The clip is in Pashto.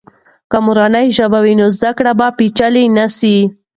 که مورنۍ ژبه وي، نو زده کړه به پیچلې نه سي.